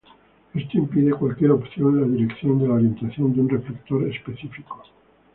Esto impide cualquier opción en la dirección de la orientación de un reflector específico.